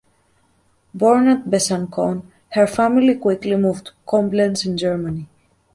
Born at Besançon, her family quickly moved to Coblence in Germany.